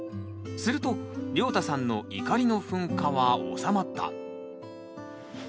するとりょうたさんの怒りの噴火はおさまった。